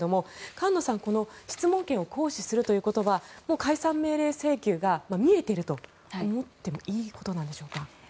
菅野さんは質問権を行使するということは解散命令請求が見えていると思っていいことなんでしょうか。